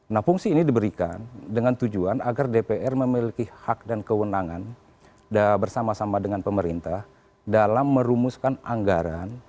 nah fungsi ini diberikan dengan tujuan agar dpr memiliki hak dan kewenangan bersama sama dengan pemerintah dalam merumuskan anggaran